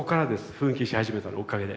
奮起し始めたのおかげで。